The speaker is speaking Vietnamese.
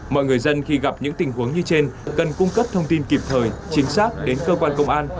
mọi người dân khi gặp những tình huống như trên cần cung cấp thông tin kịp thời chính xác đến cơ quan công an